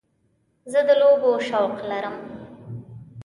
زه د لوبو شوق لرم.